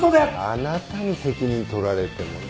あなたに責任取られても。